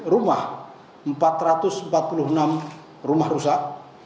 rumah empat ratus empat puluh enam rumah rusak